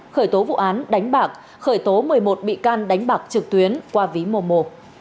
khởi tố vụ án đánh bạc khởi tố một mươi một bị can đánh bạc trực tuyến qua ví momo